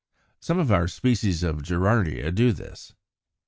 Some of our species of Gerardia do this (Fig.